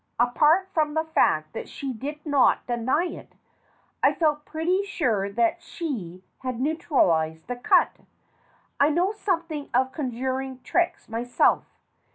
Apart from the fact that she did not deny it, I felt pretty sure that she had neutralized the cut. I know something of conjuring tricks myself.